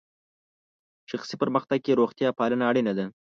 شخصي پرمختګ کې روغتیا پالنه اړینه ده.